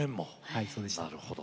はいそうでした。